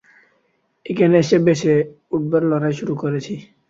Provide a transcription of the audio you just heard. এখানে এসে বেঁচে উঠবার লড়াই শুরু করেছি।